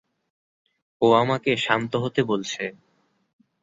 ও আমাকে শান্ত হতে বলছে।